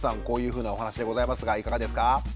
こういうふうなお話でございますがいかがですか？